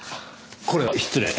これは失礼。